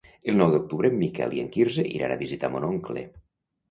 El nou d'octubre en Miquel i en Quirze iran a visitar mon oncle.